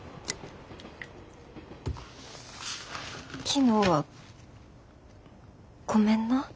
昨日はごめんな。